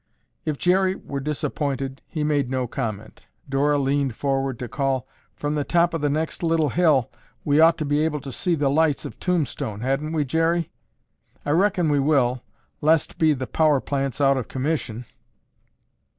If Jerry were disappointed, he made no comment. Dora leaned forward to call, "From the top of the next little hill we'd ought to be able to see the lights of Tombstone, hadn't we, Jerry?" "I reckon we will, lest be the power plant's out of commission."